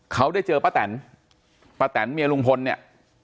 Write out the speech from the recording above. เขาได้เจอป้าแตนป้าแตนเมียลุงพลเนี่ย